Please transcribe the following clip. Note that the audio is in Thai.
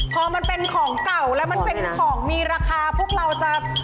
พอมันเป็นของเก่าและมันเป็นของมีราคาพวกเราจะไม่ค่อยกล้าจับ